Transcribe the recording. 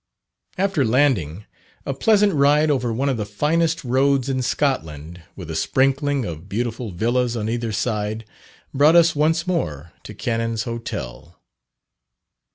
After landing, a pleasant ride over one of the finest roads in Scotland, with a sprinkling of beautiful villas on either side, brought us once more to Cannon's Hotel.